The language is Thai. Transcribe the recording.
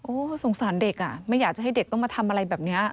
สงสารเด็กอ่ะไม่อยากจะให้เด็กต้องมาทำอะไรแบบนี้